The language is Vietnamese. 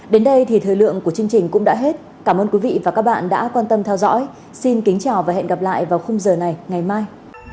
đến đây thì thời lượng của chương trình cũng đã hết cảm ơn quý vị và các bạn đã quan tâm theo dõi xin kính chào và hẹn gặp lại vào khung giờ này ngày mai